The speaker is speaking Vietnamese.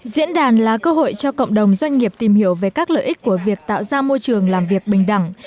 diễn đàn là cơ hội cho cộng đồng doanh nghiệp tìm hiểu về các lợi ích của việc tạo ra môi trường làm việc bình đẳng